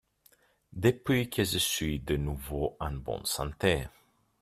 Depuis que je suis de nouveau en bonne santé.